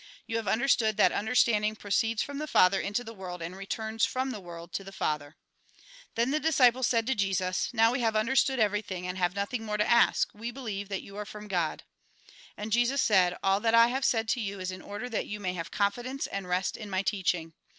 You have understood that understanding proceeds from the Father into the world and returns from the world to the Father " Then the disciples said to Jesus :" Now we have understood everything, and have nothing more to ask, we believe that you are from God." And Jesus said :" All that I have said to you is in order that you may have confidence and rest in my teaching.